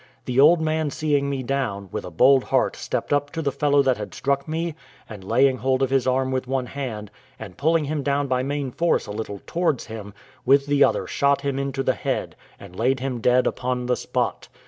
The old man seeing me down, with a bold heart stepped up to the fellow that had struck me, and laying hold of his arm with one hand, and pulling him down by main force a little towards him, with the other shot him into the head, and laid him dead upon the spot.